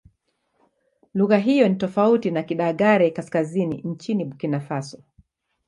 Lugha hiyo ni tofauti na Kidagaare-Kaskazini nchini Burkina Faso.